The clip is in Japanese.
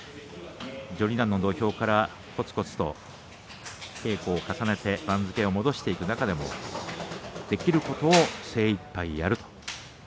序二段の土俵からこつこつと稽古を重ねて番付を戻していく中でもできることを精いっぱいやると。